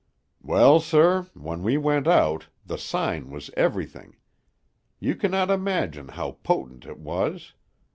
"Well, sir, when we went out, the sign was everything. You cannot imagine how potent it was.